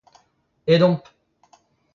Aet omp.